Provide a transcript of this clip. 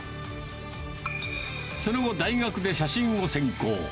その後、大学で写真を専攻。